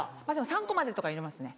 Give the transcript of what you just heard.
３個までとかいわれますね